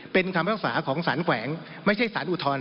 เป็นคำพิพากษาของสารแขวงไม่ใช่สารอุทธรณ์